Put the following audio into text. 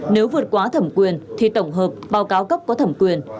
nếu vượt quá thẩm quyền thì tổng hợp báo cáo cấp có thẩm quyền